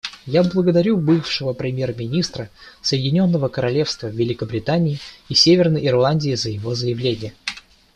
Я благодарю бывшего премьер-министра Соединенного Королевства Великобритании и Северной Ирландии за его заявление.